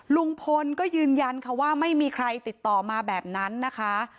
ลุงพลก็ยืนยันค่ะว่าไม่มีใครติดต่อมาแบบนั้นนะคะ